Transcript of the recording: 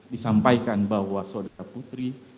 disampaikan bahwa saudara putri